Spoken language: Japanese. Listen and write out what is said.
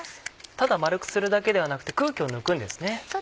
ただ丸くするだけではなくて空気を抜くんですね。